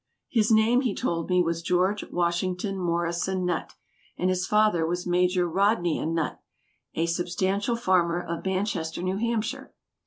His name, he told me, was George Washington Morrison Nutt, and his father was Major Rodnia Nutt, a substantial farmer, of Manchester, New Hampshire.